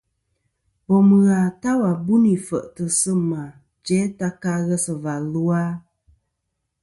Bòm ghà ta wà bû nì fèʼtɨ̀ sɨ̂ mà jæ ta ka ghesɨ̀và lu a?